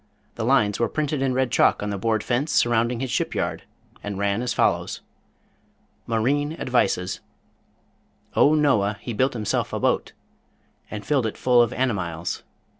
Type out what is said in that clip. The lines were printed in red chalk on the board fence surrounding his Ship Yard, and ran as follows: MARINE ADVICES O Noah he built himself a boat, And filled it full of animiles.